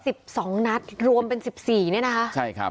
สิบสองนัดรวมเป็นสิบสี่เนี้ยนะคะใช่ครับ